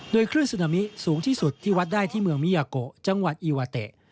โดยคลื่นซึนามิสูงที่สุดที่วัดได้ที่เมืองมิยาโกจังหวัดอีวาเตะ